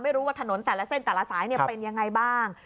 ไม่รู้ว่าถนนแต่ละเส้นแต่ละสายเป็นยังไงบ้าง